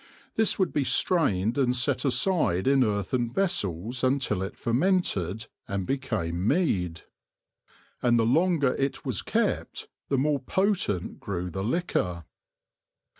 This would be strained and set aside in earthern vessels until it fermented and became mead. And the longer it was kept, the more potent grew the liquor.